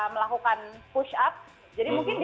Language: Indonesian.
kalau kita mau bergerakan di tempat ini